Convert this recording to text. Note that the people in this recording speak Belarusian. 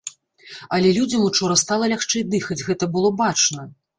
Але людзям учора стала лягчэй дыхаць, гэта было бачна.